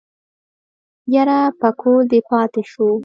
يره پکول دې پاتې شو.